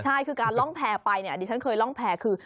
ใช่คือการล่องแพลไปดิฉันเคยล่องแพลคือ